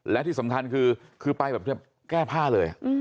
และที่สำคัญคือไปแบบแก้ผ้าเลย